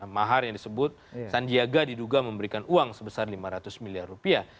mahar yang disebut sandiaga diduga memberikan uang sebesar lima ratus miliar rupiah